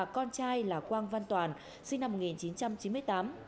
con trai là quang văn toàn sinh năm một nghìn chín trăm chín mươi tám